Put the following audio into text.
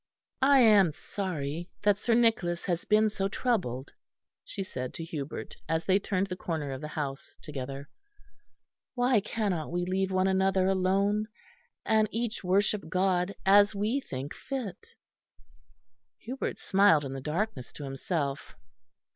"I am sorry that Sir Nicholas has been so troubled," she said to Hubert, as they turned the corner of the house together. "Why cannot we leave one another alone, and each worship God as we think fit?" Hubert smiled in the darkness to himself.